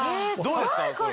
どうですか？